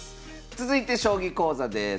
続いて将棋講座です。